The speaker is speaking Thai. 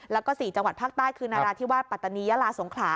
แล้วก็๔จังหวัดภาคใต้คือนราธิวาสปัตตานียาลาสงขลา